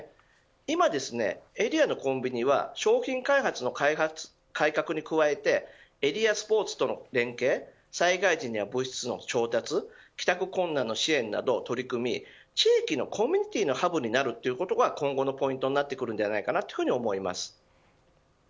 今、エリアのコンビニは商品開発の改革に加えてエリアスポーツとの連携や災害時には物資の調達や帰宅困難の支援などの取り組み地域のコミュニティーのハブになることが今後のポイントになってくると思います。